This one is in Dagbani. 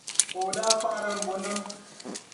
Ka o daa kpaɣiri m-bɔ nam.